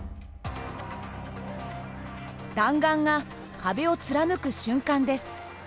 弾丸が壁を貫く瞬間です。